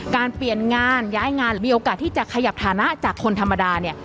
เปลี่ยนงานย้ายงานมีโอกาสที่จะขยับฐานะจากคนธรรมดาเนี่ย